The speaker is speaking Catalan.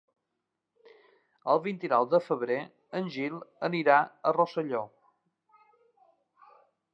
El vint-i-nou de febrer en Gil anirà a Rosselló.